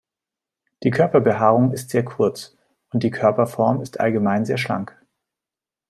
Die Körperbehaarung ist sehr kurz und die Körperform ist allgemein sehr schlank.